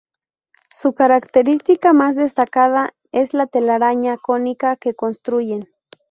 Su característica más destacada es la telaraña cónica que construyen.